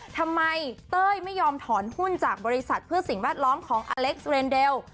ทำไมเต้ยไม่ยอมถอนหุ้นจากบริษัทเพื่อสิ่งแวดล้อมของอเล็กซ์เรนเดล